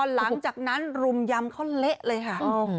หลังจากนั้นรุมยำเขาเละเลยค่ะ